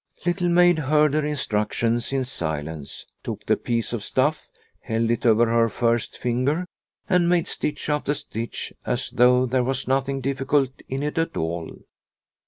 Little Maid heard her The Daily Round 195 instructions in silence, took the piece of stuff, held it over her first finger and made stitch after stitch as though there was nothing difficult in it at all.